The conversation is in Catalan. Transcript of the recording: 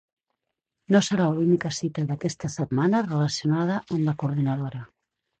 No serà l’única cita d’aquesta setmana relacionada amb la coordinadora.